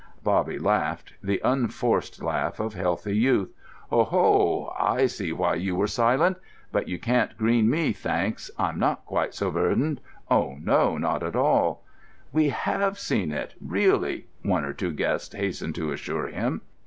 Bobby laughed—the unforced laugh of healthy youth. "Oh ho! I see why you were silent. But you can't green me, thanks: I'm not quite so verdant—oh no, not at all!" "We have seen it—really," one or two guests hastened to assure him.